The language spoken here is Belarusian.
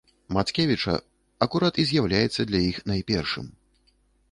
Мацкевіча, акурат і з'яўляецца для іх найпершым.